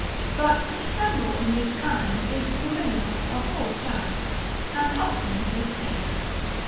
But to dissemble in this kind, is familiar of all sides, and often it takes.